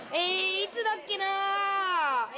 いつだっけな？